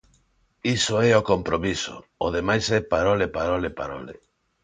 Iso é o compromiso, o demais é parole, parole, parole.